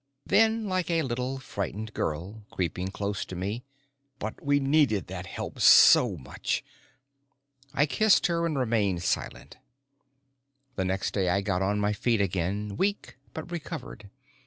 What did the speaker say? Then, like a little frightened girl, creeping close to me: "But we needed that help so much." I kissed her and remained silent. The next day I got on my feet again, weak but recovered.